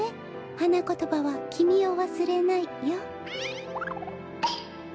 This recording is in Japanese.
はなことばは「きみをわすれない」よ。